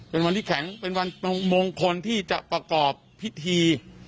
เป็นวันที่แข็งเป็นวันมงคลที่จะประกอบพิธี